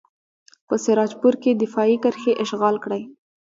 په سراج پور کې دفاعي کرښې اشغال کړئ.